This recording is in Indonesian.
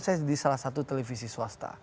saya di salah satu televisi swasta